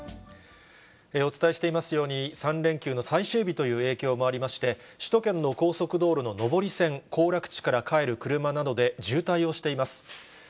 お伝えしていますように、３連休の最終日という影響もありまして、首都圏の高速道路の上り線、行楽地から帰る車などで渋滞をしています。